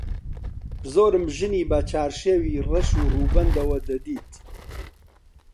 زۆرم ژنی بە چارشێوی ڕەش و ڕووبەندەوە دەدیت